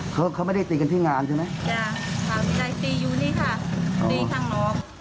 เขาเขาไม่ได้ตีกันที่งานใช่ไหมจ้ะค่ะยายตีอยู่นี่ค่ะตีข้างนอก